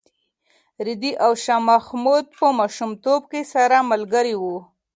رېدي او شاه محمود په ماشومتوب کې سره ملګري وو.